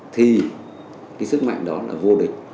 thì cái sức mạnh đó là vô địch